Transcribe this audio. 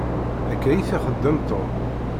Akka i t-ixeddem Tom.